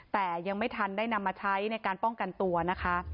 แต่ยังไม่ทันได้นำมาใช้ในการป้องกันตัวนะคะ